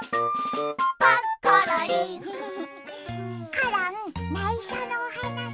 コロンないしょのおはなし。